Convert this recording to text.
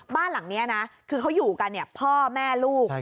บ้านหลังนี้นะคือเขาอยู่กันพ่อแม่ลูก